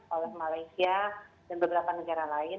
oleh malaysia dan beberapa negara lain